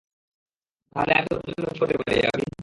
তাহলে আমি তোর জন্য কি করতে পারি, আভি?